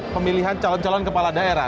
pemilihan calon calon kepala daerah